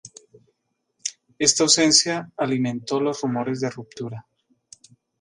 Esta ausencia alimento los rumores de ruptura.